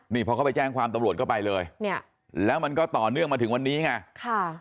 นี่พอเขาไปแจ้งความตำรวจก็ไปเลยเนี่ยแล้วมันก็ต่อเนื่องมาถึงวันนี้ไงค่ะ